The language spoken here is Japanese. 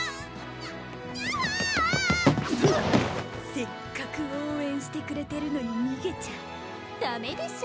せっかく応援してくれてるのに逃げちゃダメでしょ。